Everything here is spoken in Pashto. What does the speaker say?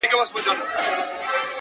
خپل مسیر د وجدان په رڼا وټاکئ!